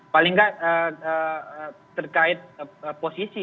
paling gak terkait posisi